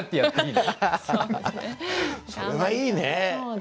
それはいいね。